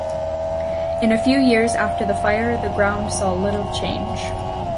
In the few years after the fire the ground saw little change.